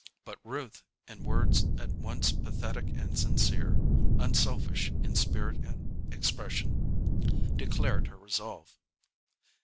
But Ruth, in words at once pathetic and sincere, unselfish in spirit and expression, declared her resolve.